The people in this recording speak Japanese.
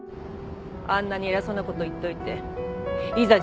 あんなに偉そうなこと言っといていざ